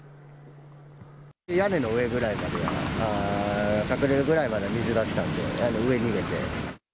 屋根の上ぐらいまで隠れるぐらいまで水が来たので、上に逃げて。